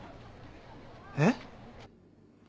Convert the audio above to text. えっ？